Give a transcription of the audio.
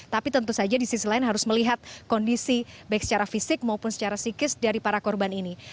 tapi tentu saja di sisi lain harus melihat kondisi baik secara fisik maupun secara psikis dari para korban ini